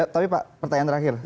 tapi pak pertanyaan terakhir